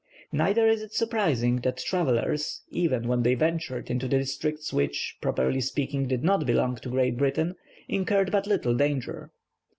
Neither is it surprising that travellers, even when they ventured into districts which, properly speaking, did not belong to Great Britain, incurred but little danger.